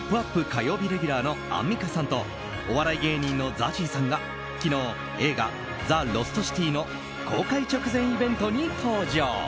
火曜日レギュラーのアンミカさんとお笑い芸人のＺＡＺＹさんが昨日映画「ザ・ロストシティ」の公開直前イベントに登場。